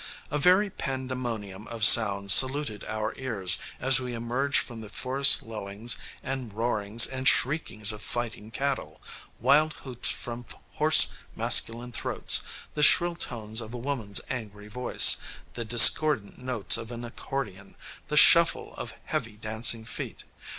A very pandemonium of sounds saluted our ears as we emerged from the forest lowings and roarings and shriekings of fighting cattle, wild hoots from hoarse masculine throats, the shrill tones of a woman's angry voice, the discordant notes of an accordion, the shuffle of heavy dancing feet.